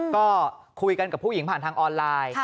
ก็คุยกันกับผู้หญิงผ่านทางออนไลน์